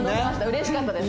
嬉しかったです。